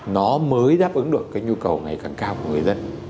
nó mới đáp ứng được cái nhu cầu ngày càng cao của người dân